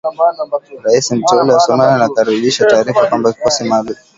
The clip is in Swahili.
Rais mteule wa Somalia anakaribisha taarifa kwamba kikosi maalum